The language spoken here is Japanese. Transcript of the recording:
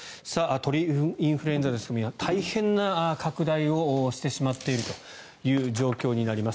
鳥インフルエンザですが大変な拡大をしてしまっているという状況になります。